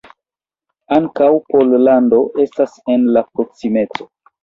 Ankaŭ Pollando estas en la proksimeco.